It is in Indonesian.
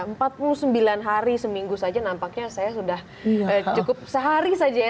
empat puluh sembilan hari seminggu saja nampaknya saya sudah cukup sehari saja ya